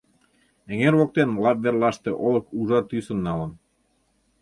Эҥер воктен лап верлаште олык ужар тӱсым налын.